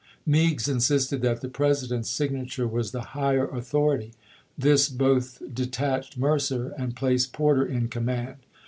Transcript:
Meigs insisted that the President's signature was the higher author ity; this both detached Mercer and placed Porter in command.